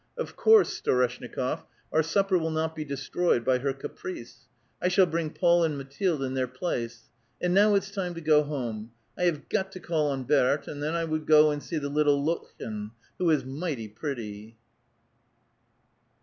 Of course, Storeshnikof, our supper will not be destroyed bj' her ca price. I shall bring Paul and Mathilde in their place. And now it's time to go home. I have got to call on Berthe, and then I must go and see the little Lottchen, who is mighty pretty."